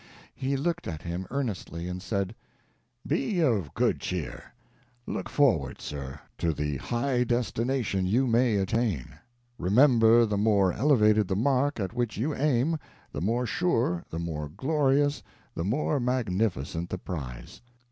He looked at him earnestly, and said: "Be of good cheer look forward, sir, to the high destination you may attain. Remember, the more elevated the mark at which you aim, the more sure, the more glorious, the more magnificent the prize."